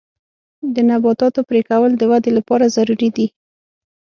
د نباتاتو پرې کول د ودې لپاره ضروري دي.